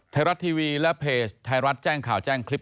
ไทยรัฐทีวีและเพจไทยรัฐแจ้งข่าวแจ้งคลิป